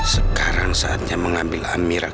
sekarang saatnya mengambil ibu saya